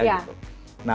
berarti masuk juga ke mereka